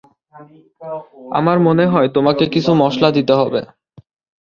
আমার মনে হয় তোমাকে কিছু মসলা দিতে হবে.